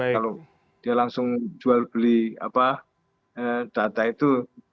kalau dia langsung jual beli data itu